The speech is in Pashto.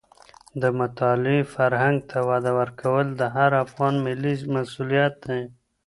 د مطالعې فرهنګ ته وده ورکول د هر افغان ملي مسوولیت دی.